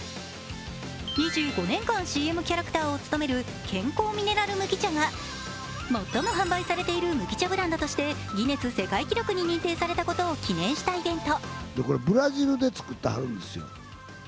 ２５年間ＣＭキャラクターを務める健康ミネラル麦茶が最も販売されている麦茶ブランドとしてギネス世界記録に認定されたことを記念したイベント。